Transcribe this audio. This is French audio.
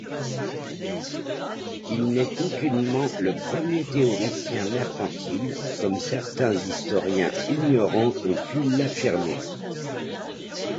Il n'est aucunement le premier théoricien mercantile comme certains historiens ignorants ont pu l'affirmer.